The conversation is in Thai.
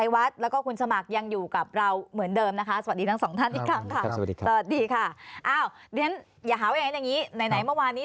อย่าหาไว้อย่างนั้นนี้